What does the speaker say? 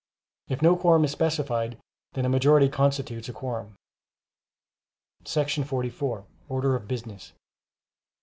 If no quorum is specified, then a majority constitutes a quorum. 44. Order of Business.